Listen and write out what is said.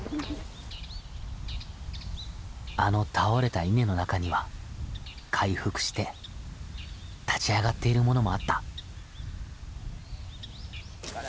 あの倒れた稲の中には回復して立ち上がっているものもあった。